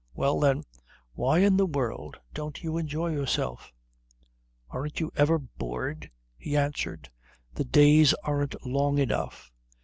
Well, then, why in the world don't you enjoy yourself?" "Aren't you ever bored?" he answered. "The days aren't long enough."